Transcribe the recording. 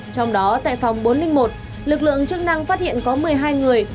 trong đó tại phòng bốn trăm linh một lực lượng chức năng phát hiện có một mươi hai người